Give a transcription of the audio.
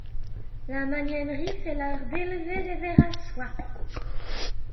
La magnanerie, c'est l'art d'élever des vers à soie.